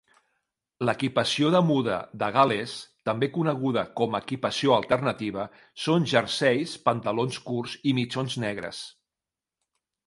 L'equipació de muda de Gal·les, també coneguda com a equipació alternativa, són jerseis, pantalons curts i mitjons negres.